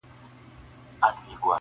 هر ګستاخ چي په ګستاخ نظر در ګوري ,